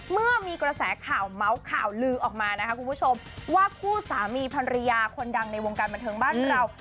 เมื่อมีกระแสข่าวเมาส์ข่าวลือออกมานะคะคุณผู้ชมว่าคู่สามีภรรยาคนดังในวงการบันเทิงบ้านเรา